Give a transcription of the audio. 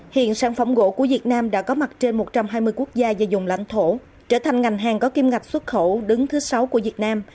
hiện sản phẩm gỗ của việt nam đã có mặt trên một trăm hai mươi quốc gia và dùng lãnh thổ trở thành ngành hàng có kim ngạch xuất khẩu đứng thứ sáu của việt nam